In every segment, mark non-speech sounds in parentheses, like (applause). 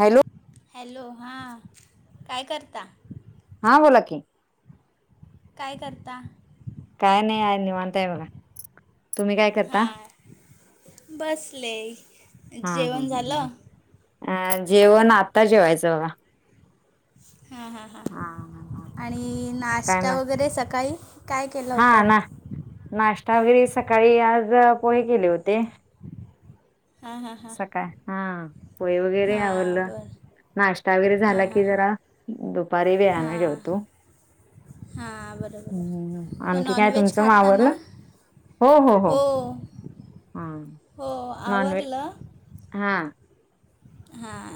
Hello hello. हां. काय करता? हा बोला की, काय करता? काय नाय आय निवांत हाय बघा तुम्ही काय करता? हां बसले जेवण झालं. अं जेवण आता जेवायचं बघा हा हा हा आणि काय नाश्ता म वगैरे सकाळी काय केला हा ना होतात -नाश्ता वगैरे सकाळी आज पोहे केले होते. हां हां हां सकाळ हा पोली वगैरे आवरल हां बरं नाश्ता वगैरे झाला हां हां की हां जरा दुपारी वेळानं हां जेवतो. हां बरं हूं हूं बरं हूं मग आणखी काय नॉनव्हेज तुमचं म खाता ना आवरलं. हो हो हो हा हो नॉन व्हे आवरलं हा हां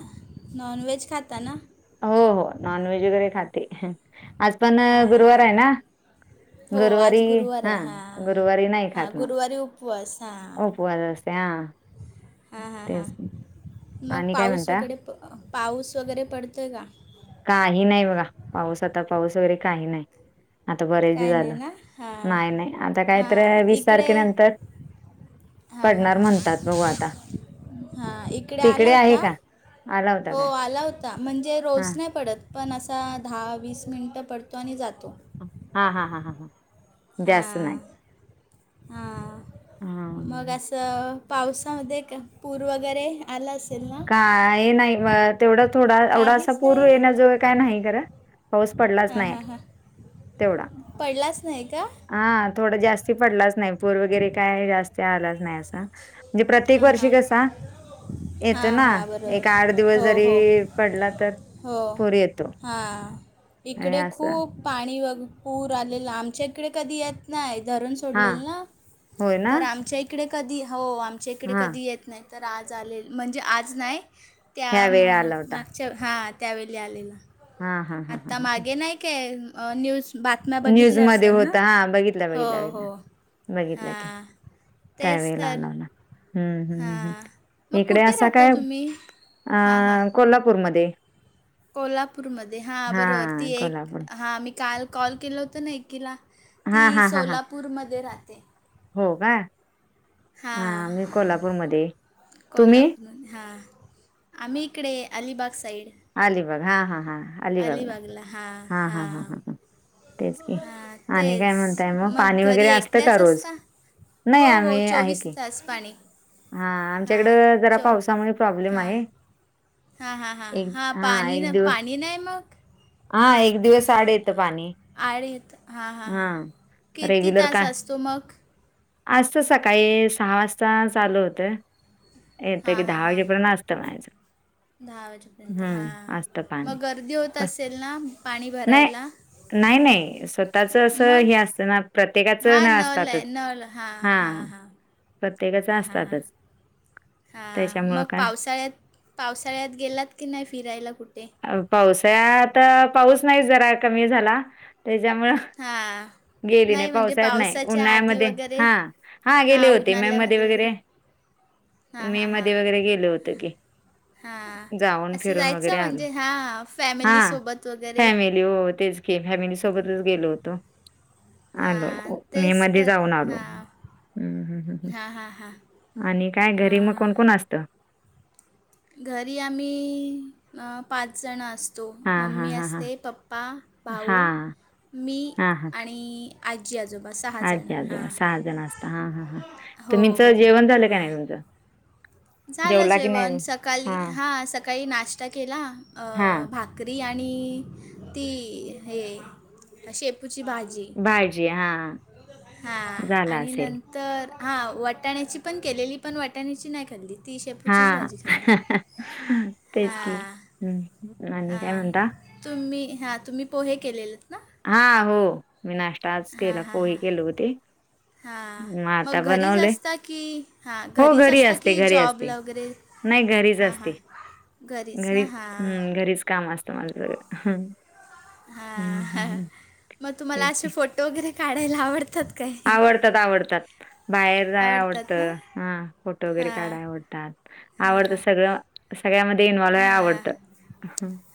नॉन व्हेज खाता ना? हो हो नॉन व्हेज वगैरे खाते. आज पण हां हां गुरुवार हां आहे ना हो आज गुरुवारी गुरुवार हा आहे हां गुरुवारी नाही हां खात म गुरुवारी उपवास हा उपवास असते हा हा हा हा तेच मग आणि काय पाऊस म्हणता वगैडे पाऊस वगैरे पडतोय का? काही नाही बघा पाऊस आता पाऊस वगैरे काही नाही. आता बरेचं दिवस काय नाही झालं ना हां नाय नाय आता कायतर वीस तारखेनंतर हा हा पडणार हा म्हणतात हा बघू आता हा इकडे आला तिकडे आहे होता. का आला होता काय. ता म्हणजे हा रोज नाय पडत पण असा दहा वीस मिनटं पडतो आणि जातो. हा हा हा हा हा जास्त नाय. हा मग हा असं पावसामध्ये पूर वगैरे आला असेल ना. काही नाही मग तेवढा थोडा एवढा असा काहीच पूर नाही येण्याजो काय नाही खर पाऊस पडलाच हां नाय. हां हां पडलाच नाही का? हा थोडा जास्ती पडलाच नाय पूर वगैरे काय जास्त आलाच नाय आसा म्हणजे प्रत्येक हां वर्षी हां कसा हां येतं ना हां एक आठ बरोबर दिवस हो जरी हो पडला तर हो पूर येतो हां आणि इकडे असं. खूप पाणी व पूर आलेला आमच्या इकडे कधी येत नाय धरन हां, सोडलेल ना होय ना? तर आमच्या इकडे कधी हो आमच्या इकडे हां, कधी येत नाय. तर आज आलेल म्हणजे, आज नाय त्या म ह्यावेळी आला होता. माग च हां त्यावेली आलेला, हां, हां, आत्ता मागे नाय काय न्यूज बातम्या न्यूज बघितल्या मध्ये असेल ना होता हा बघितला हो बघितला, बघितला, हो बघितला की हां तेच त्यावेे ला तर आला हम्म हम्मम् हां हम् मग इकडे कुठे असा राहता काय. तुम्ही हां हां अ कोल्हापूरमध्ये. कोल्हापूरमध्ये हां बरोबर ती एक हां, मी काल कॉल केलं होतं ना एकीला. हां, ती हां, हां, हां. सोलापूरमध्ये राहते. हो का हां मी कोल्हापूरमध्ये. कॉल तुम्ही? आपणून हां. आम्ही इकडे अलिबाग साईड. अलिबाग हा हा हा अलीिबागला अलिबागला हां हा हा हा हां ह ह. तेच की हां आणि काय तेच म्हणताय, मग पाणी घरी वगैरे असतं का एकट्याच रोज. असता नाही हो हो आम्ही आहे चोवीस की. तास पाणी हा आमच्याकडे हां जरा चो पावसामुळे प्रॉब्लेम आहे. हा हा हा एक हा पाणी एक ना दिवस पाणी नाही मग. हा एक दिवस आड येतं पाणी. आणिळी हां हां हा हां किती तास असतो मग. आज तर सकाळी सहा वाजता चालू होतं. येत हां की हां दहा हां वाजेपर्यंत असतं म्हणायचं. दहा वाजेपर्यंत हा असतं पाणी मग गर्दी होत पण असेल ना पाणी नाही भरायला. नाही नाही स्वतःच असं हे मग असतं ना प्रत्येकाचं हां न नळ आहे असतातच. नळ हां हां हा हां. प्रत्येकाच असतातच. हा मग त्याच्यामुळं काय पावसाळ्यात पावसाळ्यात गेलात की नाही फिरायला कुठे. पावसात पाऊस नाही जरा कमी झाला त्याच्यामुळं. हा. गेली नाही म्हणजे पावसाळ्यात नाही पावसाच्या आधी उन्हाळ्यामध्ये वगैरे हा गेले हा होते मे मध्ये उन्हाळ्यामध्ये वगैरे. हा मे हा हा. मध्ये वगैरे गेले होते की हां जाऊन असं फिरून जायचं वगैरे आलो म्हणजे हां हा फॅमिलीसोबत. वगैरे फॅमिली हो तेच की फॅमिली सोबतच गेलो होतो. हां आलो मे तेच मध्ये तर जाऊन आलो हम् ह् हा हा हां. आणि काय घरी मग कोण हां कोण असतं. घरी आम्ही पाच जण असत. तो हा हा मम्मी हा हा असते पप्पा हा भाऊ मी हा हा आणि आजी आजोबा सहाजण आजी आजोबा हां सहा जण असता हा हा हा हो तुम्हीच हो जेवण झालं का हां नाही तुमचं झालं जेवला की नाही जेवण सकाळी हा सकाळी नाष्टा केला अ हा भात भाकरी आणि ती हे शेपूची भाजी. भाजी हा हा झाला आणि असेल न तर हां वाटाण्याची पण केलेली, पण वाटाण्याची नाही खाल्ली. ती शेपूचीच हा भाजी खाल्ली तेच की हां हम्म आणि काय हां. म्हणता तुम्ही हा तुम्ही पोहे केलेलेत ना. हा हो मी नाश्ताच हां केला हां पोही हां केल होती. हां मग घरीच असता की हां हो घरीच घरी असता असते की घरी असते जॉबला वगैरे. नाही घरीच हां हां असते घरीच ना घरीच् हां घरीच. काम अस्त माझं हम्. ह मग तुम्हाला असे फोटो वगैरे काढायला आवडते. आवडतात आवडतात बाहेर जाय आवडतात ना आवडतं, हा फोटो वगैरे हां काढाय आवडतात. हां आवडत हां सगळं सगळ्यामध्ये इन्वॉल्व हां आवडत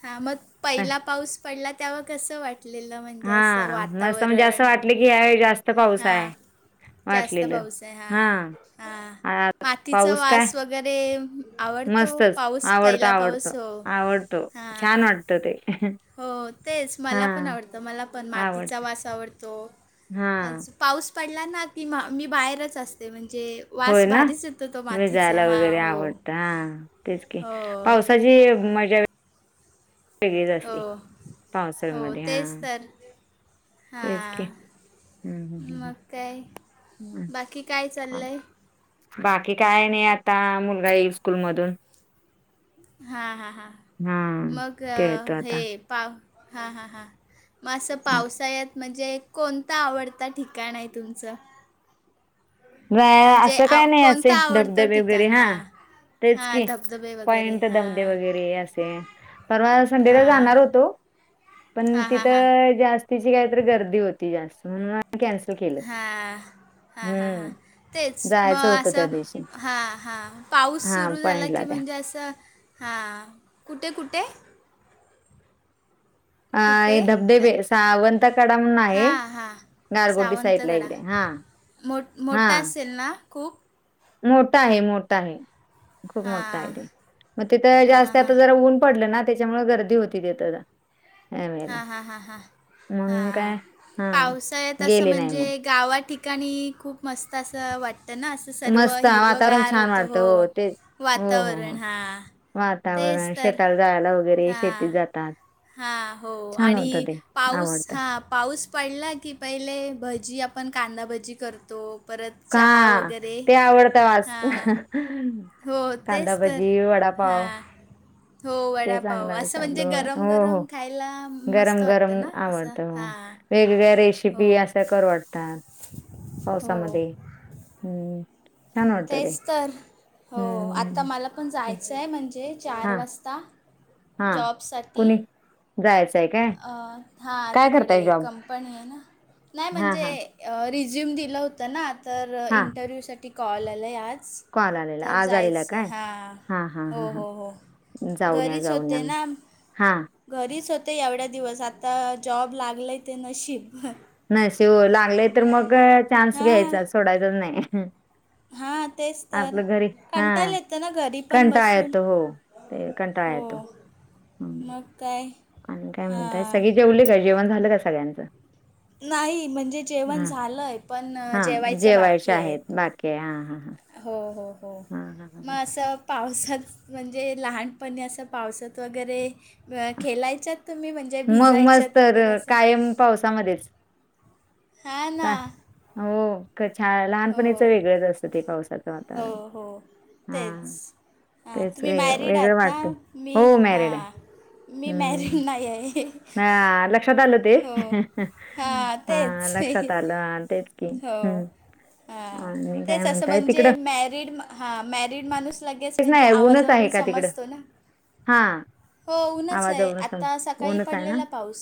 हां मग पहिला पाऊस पडला तेव्हा कसं वाटलेलं म्हणजे असं वातावरण आपलं की जास्त पाऊस हां आहे जास्त पाऊस आहे हा हा आ मातीचा पाऊस काय वास वगैरे आवडतो मस्तच पाऊस आवडतो पहिला आवडतो. पाऊस हो आवडतो हा छान वाटत ते हो तेच हा मला पण आवडतं, मला पण मातीचा आवडत वास आवडतो हा आज पाऊस पडला ना की मा मी बाहेरच असते म्हणजे होय वास ना भारीच येतो तो मातीचा भिजायला हा वगैरे (inaudible) हो आवडतं हा तेच की हो. पावसाची मजा वेगळीच हो, असते हो पावसाळ्यामध्ये हा तेच तर हा तेच की हम्म (inaudible) हम्म मग काय हम्म, (inaudible) बाकी काय हम्म. चाललंय. बाकी काय नाही आता मुलगा येई स्कूल मधून. हा हा हा हा (inaudible) मग ते येतो हे. आता. पाव हां हां हां मग असं पावसाळ्यात म्हणजे कोणता आवडता ठिकाण आहे तुमचं. जायला म्हणजे असं काय आव नाही असे कोणता आवडतो धबधबे वगैरे ठिकाण? हा हां. तेच हां, की धबधबे (inaudible) वगैरे. पॉइंट धब धब हां. वगैरे असे परवा संध्याकाळी हां. जाणार होतो. पण हां, हां, हां. तिथं जास्तीची काय तर गर्दी होती जास्त म्हणून कॅन्सल केलं हा हा (inaudible) हा हा. हम्म तेच जायचं मग होतं त्या असं, दिवशी हा हां पाऊस हा सुरू झाला की पॉइंटला त्या म्हणजे असं हा कुठे-कुठे कुठे अ धबधबे सावंत कडा म्हणून (inaudible) हा आहे हा. गारगोटी साईडला सावंतगडा इकडे हा (inaudible) मो हा मोठा असेल ना खूप. मोठा आहे मोठा आहे. खूप मोठा आहे हां. ते मग तिथं हां हां जास्त हां आता जरा ऊन पडलं ना त्याच्यामुळे गर्दी होती तथ हां हां हां हां हा मग काय हा पावसाळ्यात असं गेले नाही म्हणजे मग गावा ठिकाणी खूप मस्त असं वाटतं ना अस सर्व मस्त वातावरण हिरवगार छान होत वाटतं हो ते हो हो वातावरण हो हा वातावरण शेताला जाळायला वगैरे शेती जातात. हा हो छान आणि होतं ते पाऊस आवडतं हा ह पाऊस पडला की पहिले भजी आपण कांदा भजी करतो परत का चहा वगैरे ते आवडत बास. हां (unintelligible) हो (inaudible) कांदा तेच तर भजी वडापाव. हां हो, (inaudible) ते चांगलं वडापाव. असं वाटतं म्हणजे आपलं हो हो गरम-गरम खायला मस्त गरम गरम वाटतं ना असं? आवडतं हो. हां. वेगवेगळ्या हो, रेसिपी अस करू आता. (inaudible) पावसामध्ये (inaudible) हम्म. छान वाटतं ते तेचतर. हो हम्म आत्ता हम्म, मला पण हम्म. जायचं आहे म्हणजे चार हा वाजता. हा जॉबसाठी. कुणी जायचंय का हां तिकडे कंपनी आहे ना नाही हा म्हणजे हा रिझ्युम दिलं होतं ना तर हा इंटरव्ह्यूसाठी कॉल आला आज. कॉल आलेला तर आज आलेला जायच काय हा हा हा हो हा हा हो हो. घरीच होते ना. हां. घरीच होते एवढ्या दिवस आता जॉब लागलाय ते नशीब. नाही शिव लागले तर मग चान्स घ्यायचा सोडायचाच नाही. हा, ह तेच तर आपलं घरी हा कंटायला येतं ना घरी पण कंटाळा बसून येतो हो हो. हम, मग काय? आणि काय म्हणताय हां सगळे जेवले काय जेवण झालं का सगळ्यांचं. नाही म्हणजे जेवण हा झालंय पण हा जेवायचं जेवायचे बाकी आहे. आहेत बाकी आहे हा हा हो हो हो हा हा हा मग ह असं पावसात म्हणजे लहानपणी असं पावसात वगैरे खेलायच्या तुम्ही म्हण. मग मस् तर कायम पावसामध्येच हा ना. चा- हो छान हो लहानपणीच वेगळंच असतं ते पावसाच हो हो तेच हा तेच तुम्ही वेगळ मॅरिड वेगळं आहात ना वाटते मी हो हा मॅरिड आहे मी मॅरिड नाही आहे. ह लक्षात आलं. ते हो हां हा लक्षात तेच आलं तेच की हम्. हा तेच असं म्हणजे मॅरिडहा मॅरीड माणूस लगेच तेच म्हणजे नाही ऊनच आहे आवाजावरून का तिकडं समजतो ना, हा हो उनच आहे आवाजावरून सम आता सकाळी ऊनच आहे ना पडलेला पाऊस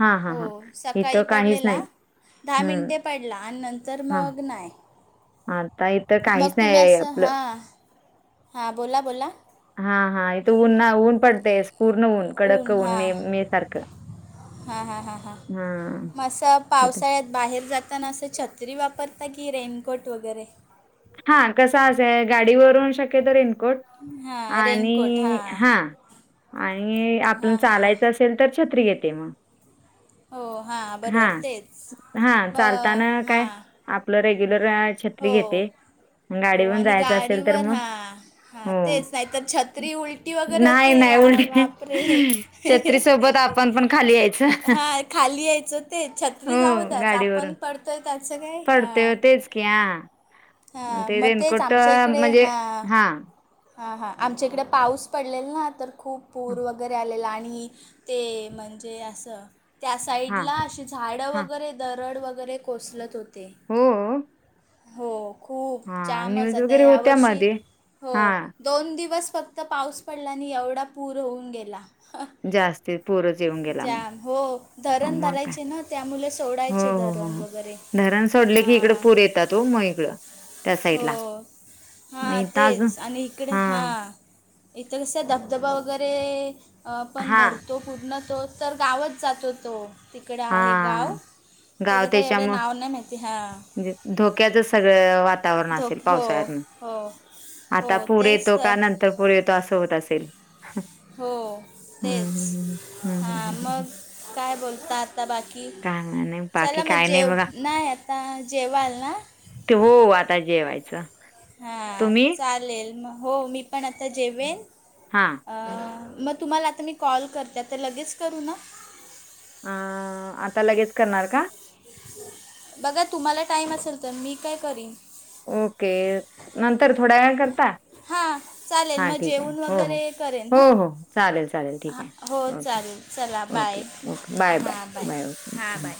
हा हा हो हा सकाळी इथं काहीच नाही पडलेला. दहा हम्म मिनटे पडला आणि नंतर हा मग नाही. आता इथं मग काहीच नाही तुम्ही आहे असं आपलं हा हा बोला बोला. हा हा इथे ऊन्हा ऊन पडतेस पूर्ण ऊन. कडक न ऊन मे हां मे सारखं हां हां हां हां हा मसं पावसाळ्यात बाहेर जाताना असं छत्री वापरता की रेनकोट वगैरे हा कसा असेय गाडी वरून शक्य तो रेनकोट हां रेनकोट आणि हां हा आणि आपण हां हां हां चालायचं असेल तर छत्री येते मग हो हां हा बरोबर तेच हा ब चालताना काय हां आपलं रेग्युलर छत्री हो घेते. हो गाडीवरून आणि जायचं असेल तर गाडीवर मग हा हा हो. तेच नाही तर छत्री उलटी वगैरे नाही, होते नाही वा उलटी वापरे छत्रीसोबत आपण पण खाली यायचं. हा खाली यायचं ते हो छत्री जाऊ दच आपण गाडीवरून पडतोय त्याचं काय हा. (unintelligible) हा ते म तेच रेनकोट आमच्या अ, इकडे म्हणजे हा. हां, हा हा आमच्या इकडे पाऊस पडलेला ना तर खूप पूर हां, वगैरे आलेला आणि ते म्हणजे असं त्या हां. साईडला अशी झाडं हां. वग बरे दरड वगैरे कोसलत होते. हम् हो खूप हां, न्यूज जामचता वगैरे या होत्या वर्षी मध्ये. हो हां, दोन दिवस फक्त पाऊस पडला आणि एवढा पूर होऊन गेला. जास्ती पोरं जेवण जाम हो धरण भरायचे ना त्यामुलं हो सोडायचे हो हो धरण हो वगैरे धरण सोडले की इकडं हां पूर येतात व मग इकडं त्या हो साईडला हा मग इथं अजून तेच आणि इकडे हा. इतर कस धबधबा वगैरे पण हा भरतो. पूर्ण तो तर गावच जातो तो तिकडे आहे गाव. हा गाव त्याचं काही एवढे त्याच्यामुळं नाव नाही माहिती हा म्हणजे धोक्याचं सगळं वातावरण असेल धोक हो पाऊस हो. आता हो पूर तेच येतो का तर नंतर पूर येतो असं होतंय. हो तेच हम्म हा हम्म हम्म मग काय बोलतात. आता बाकी काय नाही चला बाकी मग काय नाही जेव बघा. नाही आता जेवाल ना. हो आता जेवायचं. हा तुम्ही चालेल मग हो मी पण आता जेवेन हां. आ मग तुम्हाला आता मी कॉल करते आता लगेच करू ना. अ आता लगेच करणार का. बघा तुम्हाला टाइम असेल तर मी काय करीन. ओके नंतर थोड्या वेळान करता. हां चालेल हा मग ठीक आहे जेवून हो वगैरे करेन हो हां हो हो चालेल चालेल ठीक हां आहे. हो ओके चालेल चला bye okay okay bye bye bye okay हां.